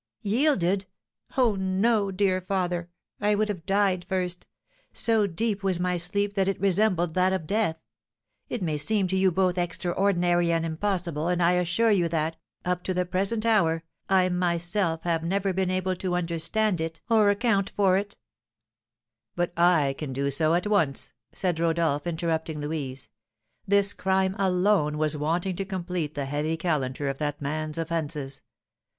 "Yielded! Oh, no, dear father, I would have died first! So deep was my sleep that it resembled that of death. It may seem to you both extraordinary and impossible, and I assure you that, up to the present hour, I myself have never been able to understand it or account for it " "But I can do so at once," said Rodolph, interrupting Louise. "This crime alone was wanting to complete the heavy calendar of that man's offences.